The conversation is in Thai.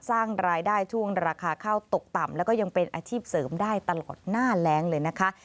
สร้างรายได้ช่วงราคาข้าวตกต่ำแล้วก็ยังเป็นอาชีพเสริมได้ตลอดหน้าแรงเลยนะคะ